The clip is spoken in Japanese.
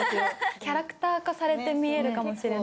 キャラクター化されて見えるかもしれない。